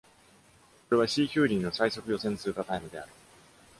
これはシーヒューリーの最速予選通過タイムである。